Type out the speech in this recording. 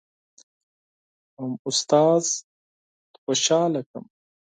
هم استاد خوشحاله کړم.